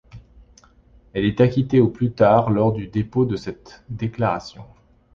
Elle est acquittée au plus tard lors du dépôt de cette déclaration.